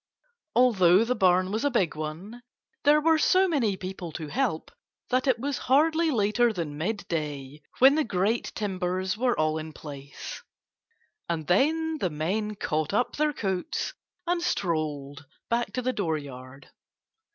Although the barn was a big one there were so many people to help that it was hardly later than midday when the great timbers were all in place. And then the men caught up their coats and strolled back to the dooryard.